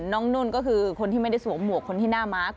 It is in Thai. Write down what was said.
น้องนุ่นก็คือคนที่ไม่ได้สั่วหมวกคนที่หน้ามัก